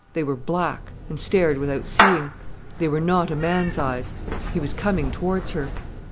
They were black, and stared without seeing. They were not a man's eyes. He was coming towards her.